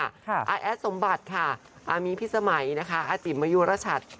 แอดสมบัติมีพี่สมัยอาจิมมยุรชัตว์